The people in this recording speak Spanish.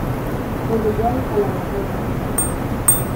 Es igual a la masa de Júpiter.